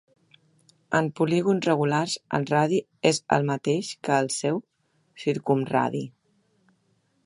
En polígons regulars, el radi és el mateix que el seu circumradi.